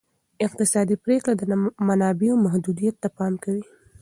اقتصادي پریکړې د منابعو محدودیت ته پام کوي.